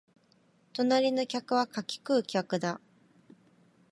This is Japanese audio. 隣の客は柿食う客だ